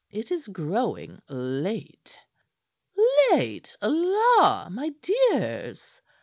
"It is growing late." "Late! La, my dears!"